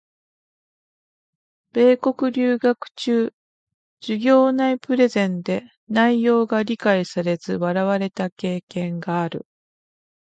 米国留学中、授業内プレゼンで内容が理解されず笑われた経験がある。